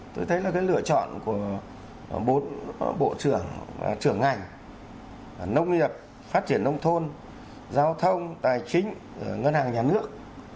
tôi thấy là cái lựa chọn của bốn bộ trưởng trưởng ngành nông nghiệp phát triển nông thôn giao thông tài chính ngân hàng nhà nước